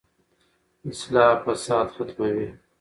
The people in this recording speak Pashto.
اصلاح فساد ختموي.